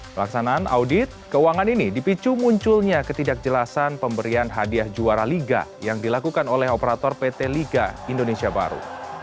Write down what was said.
pelaksanaan audit keuangan ini dipicu munculnya ketidakjelasan pemberian hadiah juara liga yang dilakukan oleh operator pt liga indonesia baru